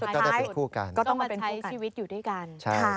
ก็ต้องมาใช้ชีวิตอยู่ด้วยกัน